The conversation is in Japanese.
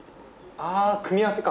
あ組み合わせか。